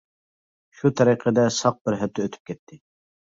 شۇ تەرىقىدە ساق بىر ھەپتە ئۆتۈپ كەتتى.